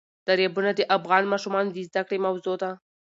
دریابونه د افغان ماشومانو د زده کړې موضوع ده.